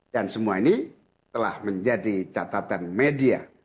dan semua ini telah menjadi catatan media